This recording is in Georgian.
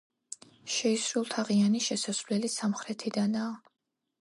შეისრულთაღიანი შესასვლელი სამხრეთიდანაა.